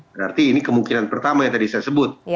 berarti ini kemungkinan pertama yang tadi saya sebut